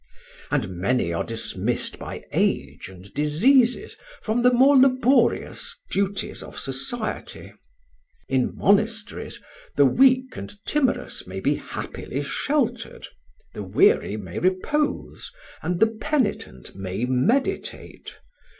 And many are dismissed by age and diseases from the more laborious duties of society. In monasteries the weak and timorous may be happily sheltered, the weary may repose, and the penitent may meditate.